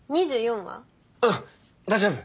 うん大丈夫。